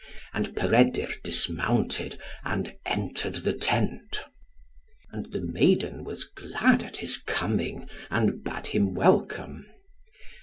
And Peredur dismounted, and entered the tent. And the maiden was glad at his coming, and bade him welcome.